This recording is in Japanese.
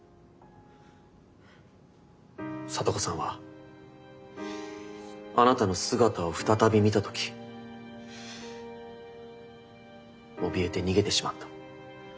咲都子さんはあなたの姿を再び見た時おびえて逃げてしまった。